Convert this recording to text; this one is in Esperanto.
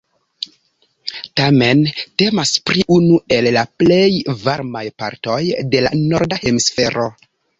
Tamen temas pri unu el la plej varmaj partoj de la norda hemisfero.